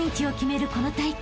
この大会］